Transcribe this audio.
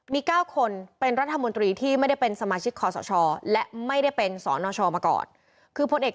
มี๙คนเป็นรัฐมนตรีที่ไม่ได้เป็นสมาชิกคอสชและไม่ได้เป็นสนชมาก่อนคือพลเอก